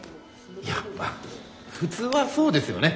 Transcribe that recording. いやまあ普通はそうですよね。